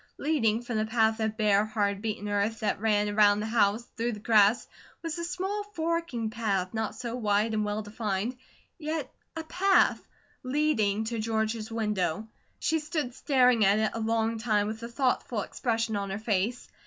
Leading from the path of bare, hard beaten earth that ran around the house through the grass, was a small forking path not so wide and well defined, yet a path, leading to George's window. She stood staring at it a long time with a thoughtful expression on her face.